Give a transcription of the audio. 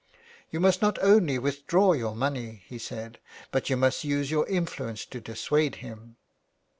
''You must not only withdraw your money,'' he said, " but you must use your influence to dissuade him."